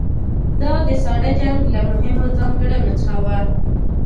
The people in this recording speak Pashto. دا د ساړه جنګ له مهمو ځانګړنو څخه وه.